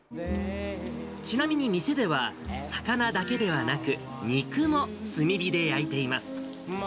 ちなみに店では、魚だけではなく、肉も炭火で焼いています。